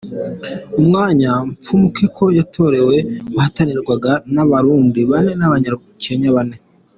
Umwanya Mfumukeko yatorewe wahatanirwaga n’Abarundi bane n’Abanya-Kenya bane.